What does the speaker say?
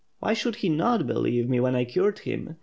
Why should he not believe me when I cured him?